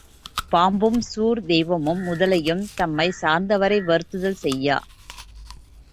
பாம்பும், சூர்த் தெய்வமும், முதலையும் தம்மைச் சார்ந்தவரை வருத்துதல் செய்யா.